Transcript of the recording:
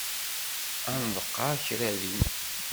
Ad nḍeqqer kra din.